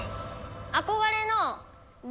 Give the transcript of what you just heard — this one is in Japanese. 憧れのＢ